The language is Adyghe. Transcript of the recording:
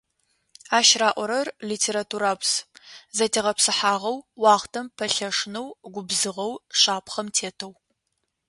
Ащ раӏорэр - литературабз: зэтегъэпсыхьагъэу, уахътэм пэлъэшынэу, губзыгъэу, шапхъэм тетэу.